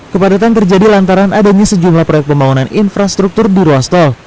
kepadatan terjadi lantaran adanya sejumlah proyek pembangunan infrastruktur di ruas tol